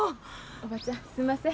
おばちゃんすんません。